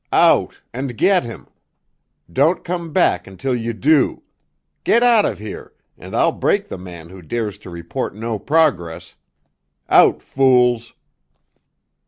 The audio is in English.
Out, and get him! Don't come back until you do! Get out of here—and I'll break the man who dares to report no progress! Out, fools!"